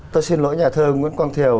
tôi xin lỗi nhà thơ nguyễn quang thiều